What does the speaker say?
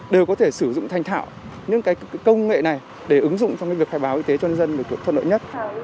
đều có thể sử dụng thành thảo những công nghệ này để ứng dụng trong việc khai báo y tế cho nhân dân thuận lợi nhất